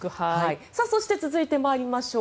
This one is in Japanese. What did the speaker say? そして続いて参りましょう。